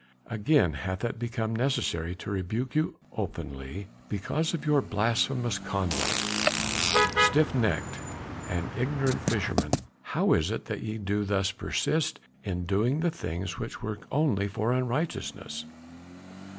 "Again hath it become necessary to rebuke you openly because of your blasphemous conduct. Stiff necked and ignorant fishermen, how is it that ye do thus persist in doing the things which work only for unrighteousness?